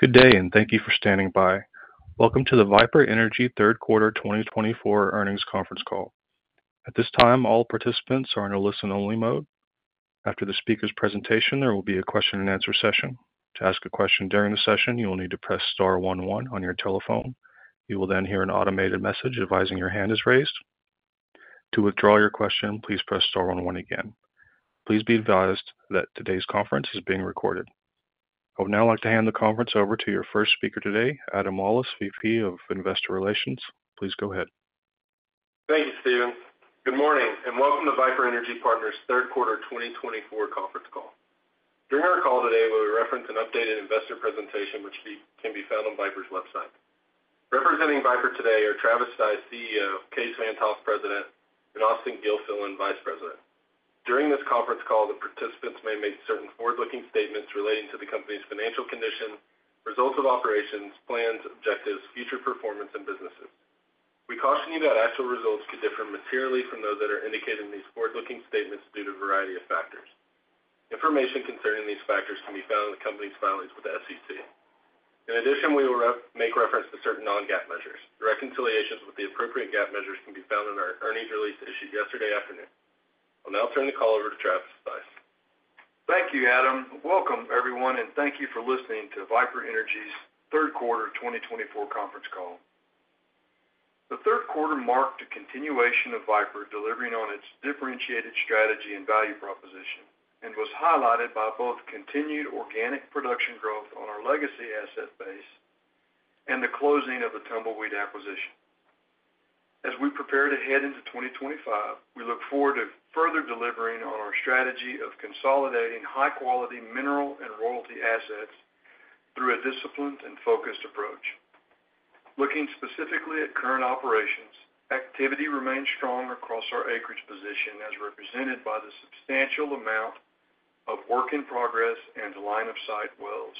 Good day, and thank you for standing by. Welcome to the Viper Energy Q3 2024 earnings conference call. At this time, all participants are in a listen-only mode. After the speaker's presentation, there will be a question-and-answer session. To ask a question during the session, you will need to press star 11 on your telephone. You will then hear an automated message advising your hand is raised. To withdraw your question, please press star one one again. Please be advised that today's conference is being recorded. I would now like to hand the conference over to your first speaker today, Adam Lawlis, VP of Investor Relations. Please go ahead. Thank you, Steven. Good morning, and welcome to Viper Energy Partners Q3 2024 conference call. During our call today, we will reference an updated investor presentation, which can be found on Viper's website. Representing Viper today are Travis Stice, CEO; Kaes Van't Hof, President; and Austen Gilfillan, Vice President. During this conference call, the participants may make certain forward-looking statements relating to the company's financial condition, results of operations, plans, objectives, future performance, and businesses. We caution you that actual results could differ materially from those that are indicated in these forward-looking statements due to a variety of factors. Information concerning these factors can be found in the company's filings with the SEC. In addition, we will make reference to certain non-GAAP measures. The reconciliations with the appropriate GAAP measures can be found in our earnings release issued yesterday afternoon. I'll now turn the call over to Travis Stice. Thank you, Adam. Welcome, everyone, and thank you for listening to Viper Energy's Q3 2024 conference call. The Q3 marked a continuation of Viper delivering on its differentiated strategy and value proposition and was highlighted by both continued organic production growth on our legacy asset base and the closing of the Tumbleweed acquisition. As we prepare to head into 2025, we look forward to further delivering on our strategy of consolidating high-quality mineral and royalty assets through a disciplined and focused approach. Looking specifically at current operations, activity remains strong across our acreage position, as represented by the substantial amount of work in progress and line-of-sight wells,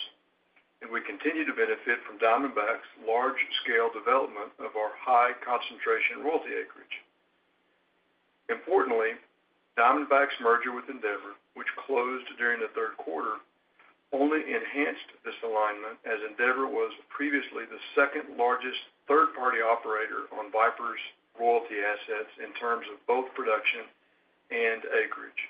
and we continue to benefit from Diamondback's large-scale development of our high-concentration royalty acreage. Importantly, Diamondback's merger with Endeavor, which closed during the Q3, only enhanced this alignment, as Endeavor was previously the second-largest third-party operator on Viper's royalty assets in terms of both production and acreage.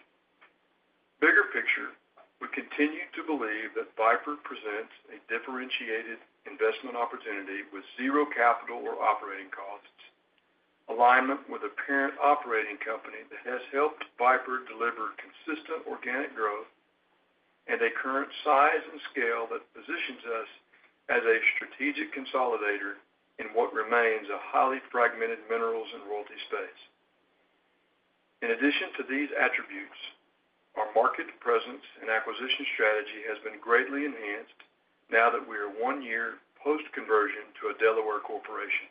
Bigger picture, we continue to believe that Viper presents a differentiated investment opportunity with zero capital or operating costs, alignment with a parent operating company that has helped Viper deliver consistent organic growth, and a current size and scale that positions us as a strategic consolidator in what remains a highly fragmented minerals and royalty space. In addition to these attributes, our market presence and acquisition strategy has been greatly enhanced now that we are one year post-conversion to a Delaware corporation.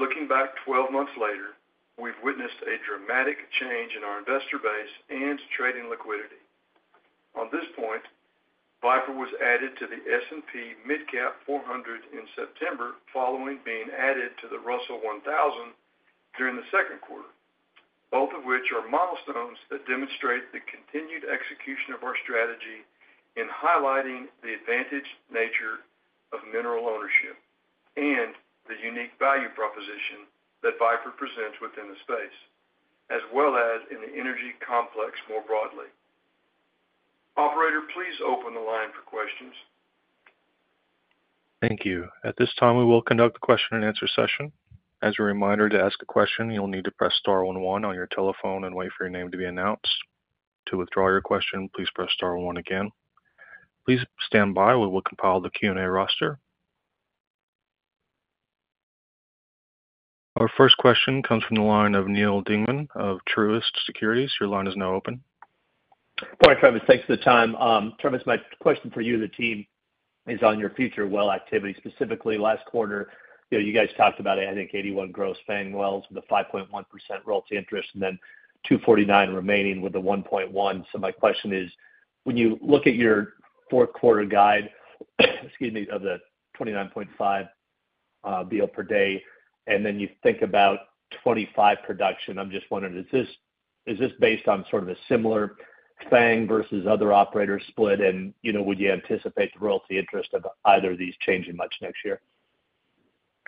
Looking back 12 months later, we've witnessed a dramatic change in our investor base and trading liquidity. On this point, Viper was added to the S&P MidCap 400 in September following being added to the Russell 1000 during the Q2, both of which are milestones that demonstrate the continued execution of our strategy in highlighting the advantaged nature of mineral ownership and the unique value proposition that Viper presents within the space, as well as in the energy complex more broadly. Operator, please open the line for questions. Thank you. At this time, we will conduct the question-and-answer session. As a reminder, to ask a question, you'll need to press star one one on your telephone and wait for your name to be announced. To withdraw your question, please press star 11 again. Please stand by while we compile the Q&A roster. Our first question comes from the line of Neal Dingmann of Truist Securities. Your line is now open. Thanks for the time. Travis, my question for you as a team is on your future well activity. Specifically, last quarter, you guys talked about, I think, 81 gross FANG wells with a 5.1% royalty interest and then 249 remaining with a 1.1%. So my question is, when you look at your Q4 guide of the 29.5 MBO per day and then you think about 2025 production, I'm just wondering, is this based on sort of a similar FANG versus other operators split, and would you anticipate the royalty interest of either of these changing much next year?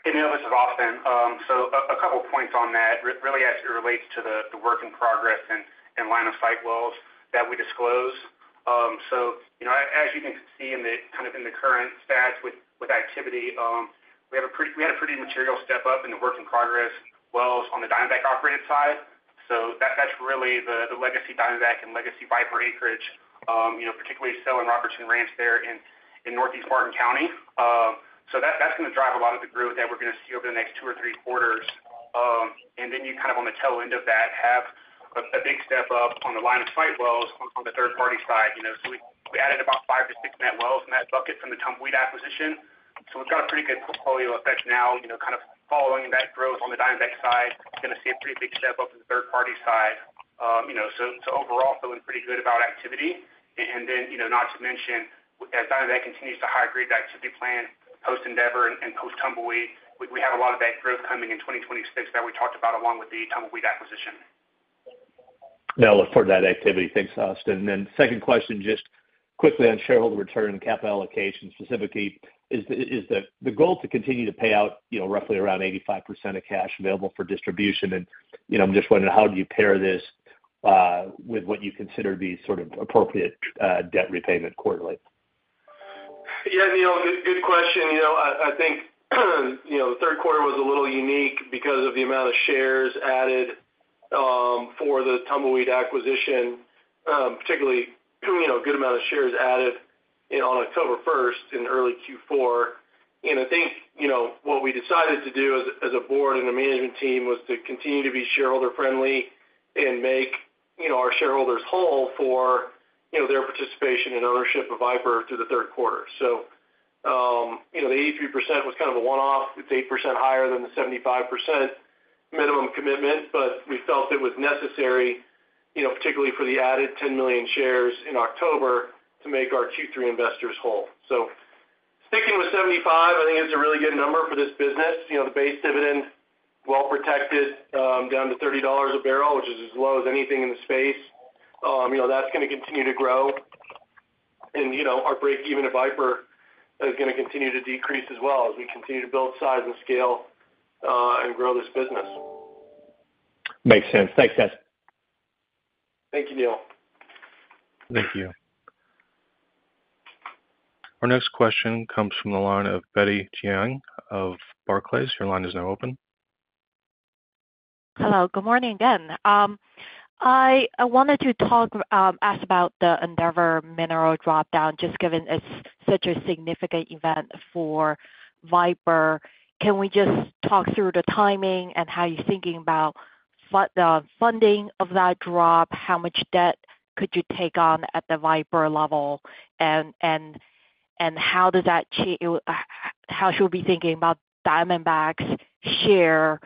Hey, Neal, this is Austen. A couple of points on that, really as it relates to the work in progress and line-of-sight wells that we disclose. As you can see in the current stats with activity, we had a pretty material step up in the work in progress wells on the Diamondback operated side. That's really the legacy Diamondback and legacy Viper acreage, particularly Gillen/bond, which is enhanced there in Northeast Martin County. That's going to drive a lot of the growth that we're going to see over the next two or three quarters. Then you kind of on the tail end of that have a big step up on the line-of-sight wells on the third-party side. We added about five to six net wells in that bucket from the Tumbleweed acquisition. So we've got a pretty good portfolio effect now, kind of following that growth on the Diamondback side. Going to see a pretty big step up on the third-party side. So overall, feeling pretty good about activity. And then not to mention, as Diamondback continues to high-grade the activity plan post-Endeavor and post-Tumbleweed, we have a lot of that growth coming in 2026 that we talked about along with the Tumbleweed acquisition. Yeah, I'll look forward to that activity. Thanks, Austen. And then second question, just quickly on shareholder return and capital allocation specifically, is the goal to continue to pay out roughly around 85% of cash available for distribution? And I'm just wondering, how do you pair this with what you consider to be sort of appropriate debt repayment quarterly? Yeah, Neal, good question. I think Q3 was a little unique because of the amount of shares added for the Tumbleweed acquisition, particularly a good amount of shares added on October 1st in early Q4, and I think what we decided to do as a board and a management team was to continue to be shareholder-friendly and make our shareholders whole for their participation and ownership of Viper through the Q3, so the 83% was kind of a one-off. It's 8% higher than the 75% minimum commitment, but we felt it was necessary, particularly for the added 10 million shares in October, to make our Q3 investors whole, so sticking with 75, I think it's a really good number for this business. The base dividend, well protected, down to $30 a barrel, which is as low as anything in the space. That's going to continue to grow. Our break-even at Viper is going to continue to decrease as well as we continue to build size and scale and grow this business. Makes sense. Thanks, guys. Thank you, Neal. Thank you. Our next question comes from the line of Betty Jiang of Barclays. Your line is now open. Hello. Good morning again. I wanted to ask about the Endeavor mineral dropdown, just given it's such a significant event for Viper. Can we just talk through the timing and how you're thinking about the funding of that drop? How much debt could you take on at the Viper level? And how does that, how should we be thinking about Diamondback's share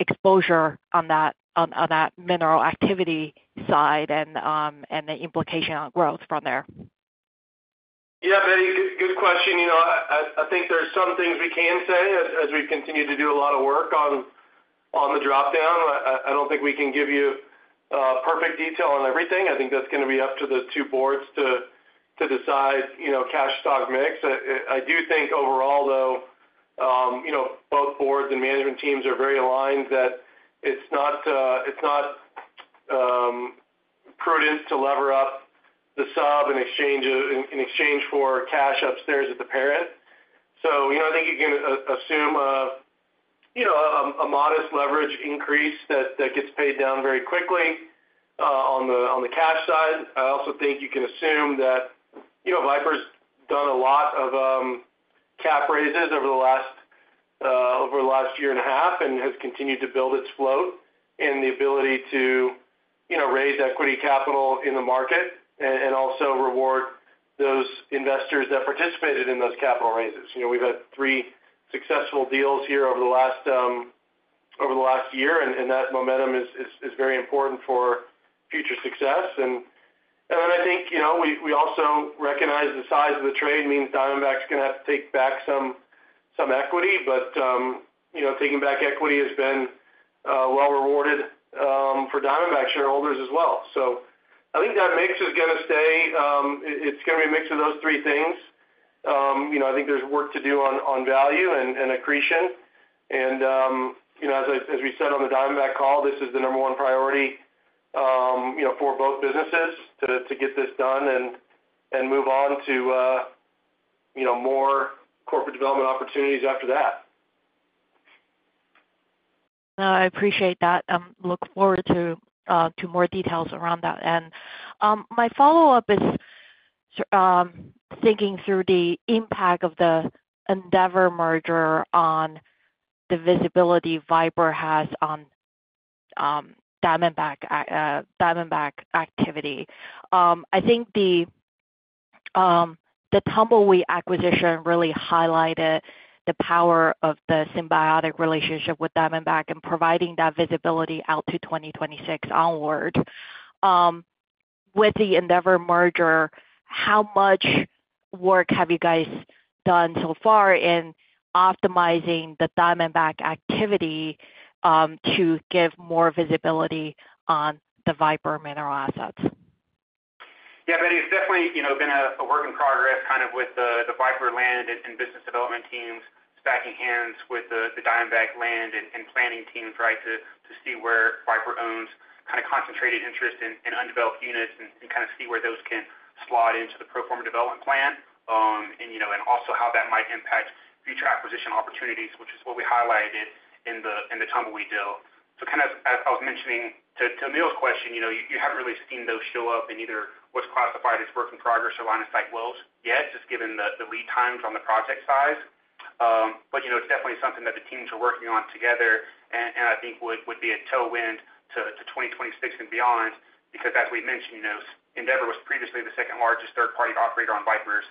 exposure on that mineral activity side and the implication on growth from there? Yeah, Betty, good question. I think there are some things we can say as we continue to do a lot of work on the dropdown. I don't think we can give you perfect detail on everything. I think that's going to be up to the two boards to decide cash stock mix. I do think overall, though, both boards and management teams are very aligned that it's not prudent to lever up the sub in exchange for cash upstairs at the parent. So I think you can assume a modest leverage increase that gets paid down very quickly on the cash side. I also think you can assume that Viper's done a lot of cap raises over the last year and a half and has continued to build its float and the ability to raise equity capital in the market and also reward those investors that participated in those capital raises. We've had three successful deals here over the last year, and that momentum is very important for future success. And then I think we also recognize the size of the trade means Diamondback's going to have to take back some equity, but taking back equity has been well-rewarded for Diamondback shareholders as well. So I think that mix is going to stay. It's going to be a mix of those three things. I think there's work to do on value and accretion. As we said on the Diamondback call, this is the number one priority for both businesses to get this done and move on to more corporate development opportunities after that. No, I appreciate that. Look forward to more details around that, and my follow-up is thinking through the impact of the Endeavor merger on the visibility Viper has on Diamondback activity. I think the Tumbleweed acquisition really highlighted the power of the symbiotic relationship with Diamondback and providing that visibility out to 2026 onward. With the Endeavor merger, how much work have you guys done so far in optimizing the Diamondback activity to give more visibility on the Viper mineral assets? Yeah, Betty, it's definitely been a work in progress kind of with the Viper land and business development teams stacking hands with the Diamondback land and planning teams to see where Viper owns kind of concentrated interest in undeveloped units and kind of see where those can slot into the pro forma development plan and also how that might impact future acquisition opportunities, which is what we highlighted in the Tumbleweed deal. So kind of as I was mentioning to Neal's question, you haven't really seen those show up in either what's classified as work in progress or line-of-sight wells yet, just given the lead times on the project size. But it's definitely something that the teams are working on together, and I think would be a tailwind to 2026 and beyond because, as we mentioned, Endeavor was previously the second largest third-party operator on Viper's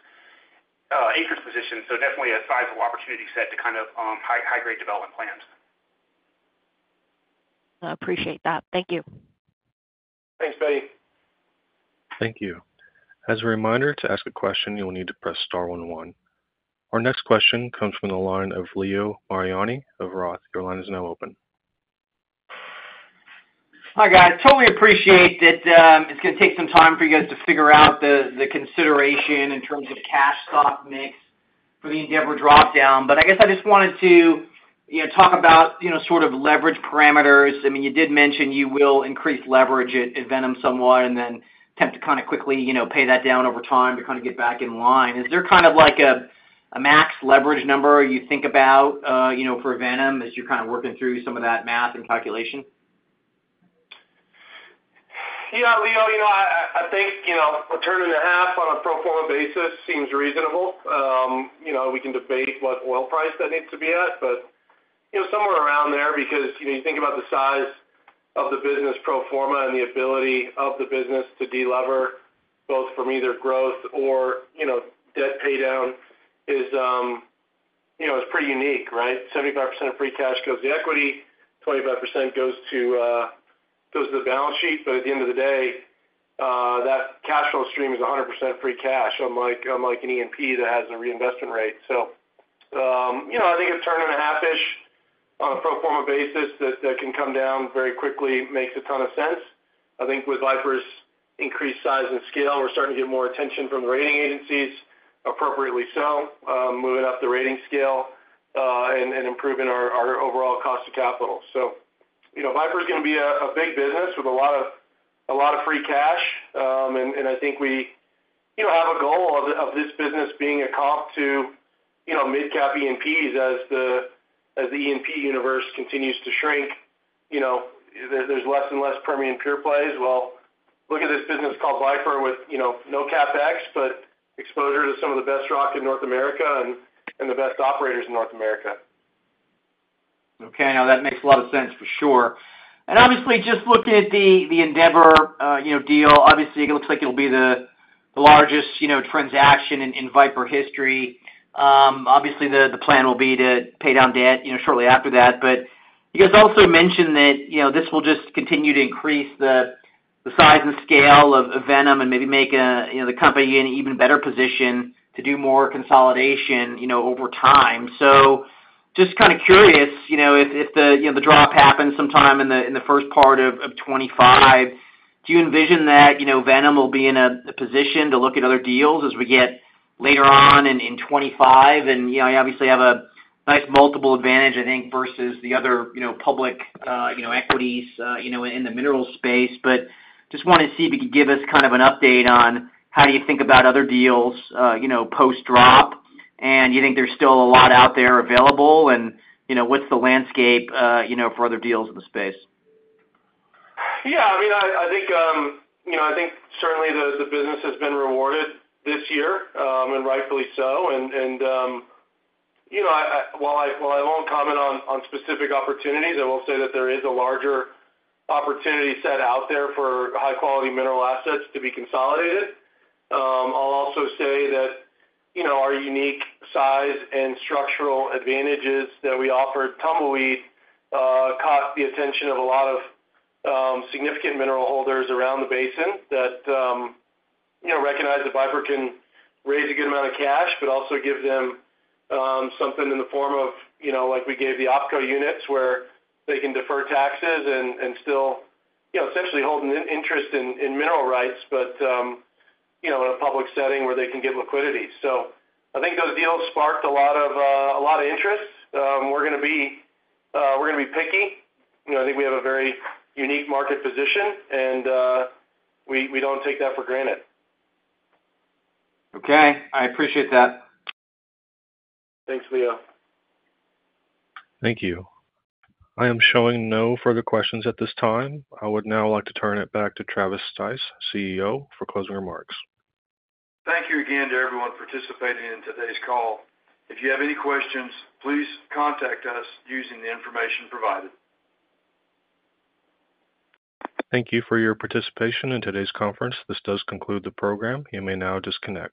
acreage position. Definitely a sizable opportunity set to kind of high-grade development plans. Appreciate that. Thank you. Thanks, Betty. Thank you. As a reminder, to ask a question, you'll need to press star one one. Our next question comes from the line of Leo Mariani of Roth. Your line is now open. Hi, guys. Totally appreciate that it's going to take some time for you guys to figure out the consideration in terms of cash stock mix for the Endeavor dropdown. But I guess I just wanted to talk about sort of leverage parameters. I mean, you did mention you will increase leverage at Venom somewhat and then attempt to kind of quickly pay that down over time to kind of get back in line. Is there kind of like a max leverage number you think about for Venom as you're kind of working through some of that math and calculation? Yeah, Leo, I think a turn and a half on a pro forma basis seems reasonable. We can debate what oil price that needs to be at, but somewhere around there because you think about the size of the business pro forma and the ability of the business to delever both from either growth or debt paydown is pretty unique, right? 75% of free cash goes to equity, 25% goes to the balance sheet. But at the end of the day, that cash flow stream is 100% free cash unlike an E&P that has a reinvestment rate. So I think a turn and a half-ish on a pro forma basis that can come down very quickly makes a ton of sense. I think with Viper's increased size and scale, we're starting to get more attention from the rating agencies, appropriately so, moving up the rating scale and improving our overall cost of capital. So Viper's going to be a big business with a lot of free cash. And I think we have a goal of this business being a comp to midcap E&Ps as the E&P universe continues to shrink. There's less and less Permian pure plays, well, look at this business called Viper with no CapEx, but exposure to some of the best rock in North America and the best operators in North America. Okay. No, that makes a lot of sense for sure. And obviously, just looking at the Endeavor deal, obviously, it looks like it'll be the largest transaction in Viper history. Obviously, the plan will be to pay down debt shortly after that. But you guys also mentioned that this will just continue to increase the size and scale of Venom and maybe make the company in an even better position to do more consolidation over time. So just kind of curious, if the drop happens sometime in the first part of 2025, do you envision that Venom will be in a position to look at other deals as we get later on in 2025? And you obviously have a nice multiple advantage, I think, versus the other public equities in the mineral space. But just wanted to see if you could give us kind of an update on how do you think about other deals post-drop, and you think there's still a lot out there available, and what's the landscape for other deals in the space? Yeah. I mean, I think certainly the business has been rewarded this year, and rightfully so. And while I won't comment on specific opportunities, I will say that there is a larger opportunity set out there for high-quality mineral assets to be consolidated. I'll also say that our unique size and structural advantages that we offered Tumbleweed caught the attention of a lot of significant mineral holders around the basin that recognize that Viper can raise a good amount of cash, but also give them something in the form of, like we gave the OpCo units, where they can defer taxes and still essentially hold an interest in mineral rights, but in a public setting where they can get liquidity. So I think those deals sparked a lot of interest. We're going to be picky. I think we have a very unique market position, and we don't take that for granted. Okay. I appreciate that. Thanks, Leo. Thank you. I am showing no further questions at this time. I would now like to turn it back to Travis Stice, CEO, for closing remarks. Thank you again to everyone participating in today's call. If you have any questions, please contact us using the information provided. Thank you for your participation in today's conference. This does conclude the program. You may now disconnect.